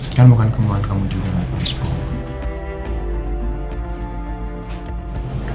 kan bukan kemungkinan kamu juga yang harus berubah